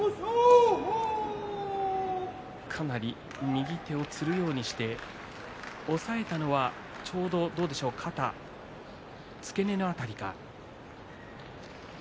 かなり右手をつるようにして押さえたのはちょうど肩受け身の辺りか。